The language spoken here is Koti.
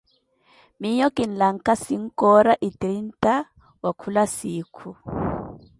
Miyo kinlakha sinkoora e trinta wakhula sikhu.